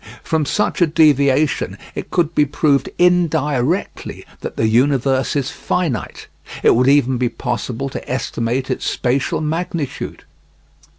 From such a deviation it could be proved indirectly that the universe is finite. It would even be possible to estimate its spatial magnitude.